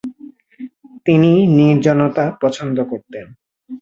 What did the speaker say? তিনি নির্জনতা পছন্দ করতেন।